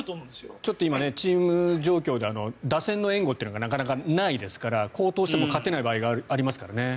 ちょっと今、チーム状況が打線の援護というのはなかなかないですから好投しても勝てない場合がありますからね。